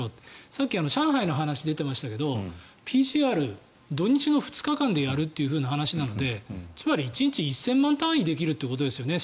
さっき、上海の話出てましたけどＰＣＲ、土日の２日間でやるという話なのでつまり、１日１０００万単位でできるということですよね